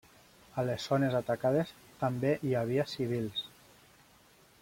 A les zones atacades, també hi havia civils.